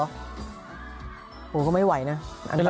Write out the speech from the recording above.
โอ้โหก็ไม่ไหวนะอันตรายนะ